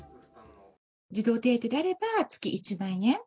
児童手当であれば月１万円。